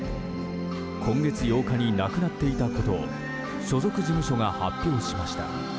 今月８日に亡くなっていたことを所属事務所が発表しました。